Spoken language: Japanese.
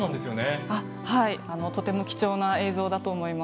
あのとても貴重な映像だと思います。